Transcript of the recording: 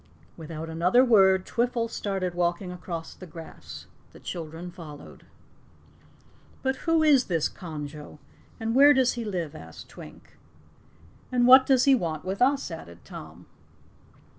Without another word, Twiffle started walking across the grass. The children followed. "But who is this Conjo, and where does he live?" asked Twink. "And what does he want with us?" added Tom.